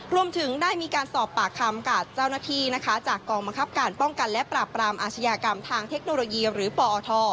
รวมถึงได้มีการสอบปากคำกับเจ้าหน้าที่นะคะจากกองบังคับการป้องกันและปราบปรามอาชญากรรมทางเทคโนโลยีหรือปอท